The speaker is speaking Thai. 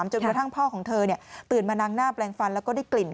จนกระทั่งพ่อของเธอตื่นมานางหน้าแปลงฟันแล้วก็ได้กลิ่น